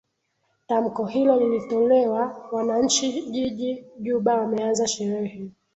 tamko hilo lilitolewa wananchi jiji juba wameanza sherehe